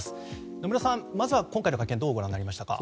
野村さん、まずは今回の会見どうご覧になりましたか？